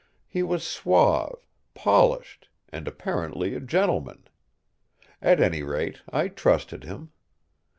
He was suave, polished, and apparently a gentleman. At any rate, I trusted him.